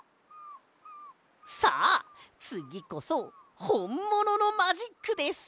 さあつぎこそほんもののマジックです！